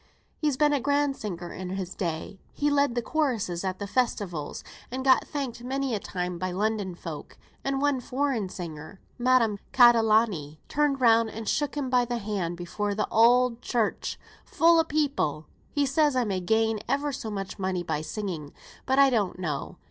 He's been a grand singer in his day. He's led th' chorusses at the Festivals, and got thanked many a time by London folk; and one foreign singer, Madame Catalani, turned round and shook him by th' hand before the Oud Church full o' people. He says I may gain ever so much money by singing; but I don't know.